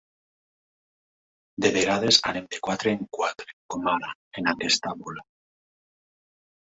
De vegades anem de quatre en quatre, com ara, en aquesta bola.